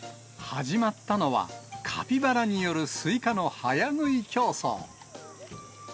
始まったのは、カピバラによるスイカの早食い競争。